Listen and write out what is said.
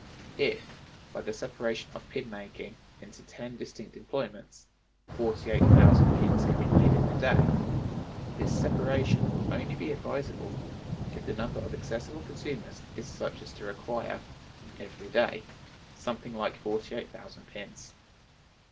If, by the separation of pin making into ten distinct employments, forty eight thousand pins can be made in a day, this separation will only be advisable if the number of accessible consumers is such as to require, every day, something like forty eight thousand pins.